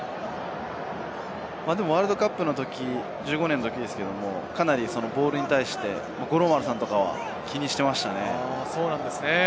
でもワールドカップのとき、２０１５年のときですけれど、ボールに対して五郎丸さんとかは気にしていましたね。